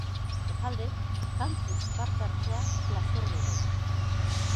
Bestalde, kantuz parte hartzea plazer dugu.